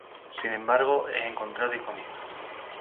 Sin embargo, es encontrado y comido.